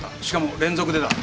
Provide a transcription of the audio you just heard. しかも連続でだ。